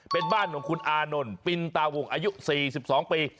เป็นบ้านของคุณอานนท์ปินตาวงอายุ๔๒ปี